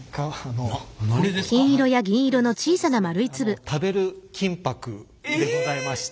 実はですね食べる金箔でございまして。